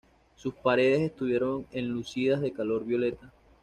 Sus paredes estuvieron enlucidas de color violeta.